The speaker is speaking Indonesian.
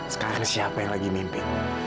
sekarang siapa yang lagi mimpi